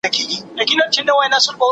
موږ د خپلو غاښونو په مینځلو بوخت یو.